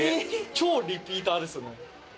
超リピーターですね。